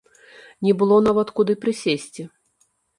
Не было нават куды прысесці.